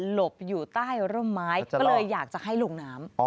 บอยู่ใต้ร่มไม้ก็เลยอยากจะให้ลงน้ำ